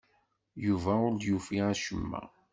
Yuba ur d-yufi acemma.